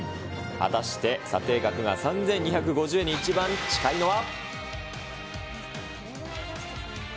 果たして査定額が３２５０円に一番近いのは。